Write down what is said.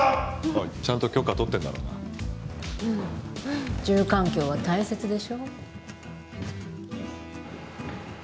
おいちゃんと許可取ってんだろうな住環境は大切でしょ？